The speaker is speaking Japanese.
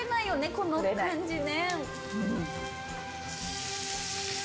この感じ。